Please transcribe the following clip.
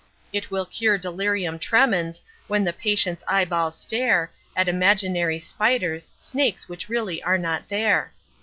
It will cure Delirium Tremens, when the patient's eyeballs stare At imaginary spiders, snakes which really are not there.